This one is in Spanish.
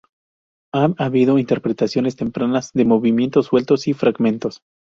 Ha habido interpretaciones tempranas de movimientos sueltos y fragmentos.